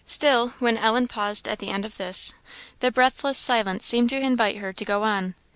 Still when Ellen paused at the end of this, the breathless silence seemed to invite her to go on.